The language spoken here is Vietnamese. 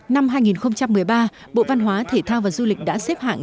năm hai nghìn một mươi ba bộ văn hóa thể thao và du lịch đã xếp hạng